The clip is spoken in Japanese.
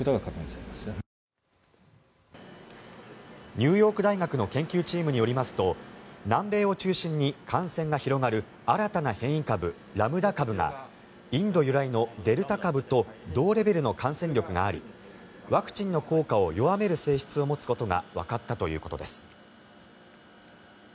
ニューヨーク大学の研究チームによりますと南米を中心に感染が広がる新たな変異株、ラムダ株がインド由来のデルタ株と同レベルの感染力がありワクチンの効果を弱める性質を持つことがわかったということです。